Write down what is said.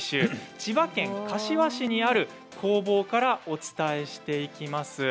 千葉県柏市にある工房からお伝えしていきます。